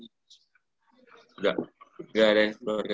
enggak enggak ada yang keluarga